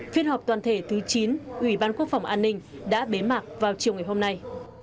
phiên họp toàn thể thứ chín ủy ban quốc phòng an ninh đã bế mạc vào chiều ngày hôm nay